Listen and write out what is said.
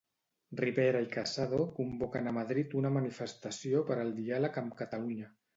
Rivera i Casado convoquen a Madrid una manifestació per al diàleg amb Catalunya.